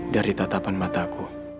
dari tatapan mataku